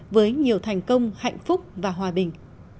với nhiều thành công hạnh phúc và hòa bình